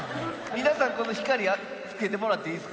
皆さんこの光つけてもらっていいですか？